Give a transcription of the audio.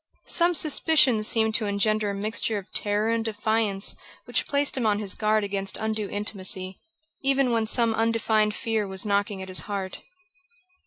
Some suspicion seemed to engender a mixture of terror and defiance which placed him on his guard against undue intimacy, even when some undefined fear was knocking at his heart.